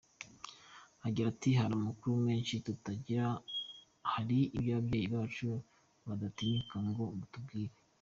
Agira ati “Hari amakuru menshi tutagira hari ibyo ababyeyi bacu badatinyuka ngo batubwire.